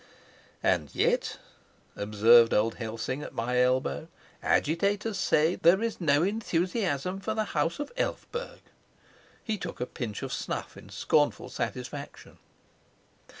"And yet," observed old Helsing at my elbow, "agitators say that there is no enthusiasm for the house of Elphberg!" He took a pinch of snuff in scornful satisfaction.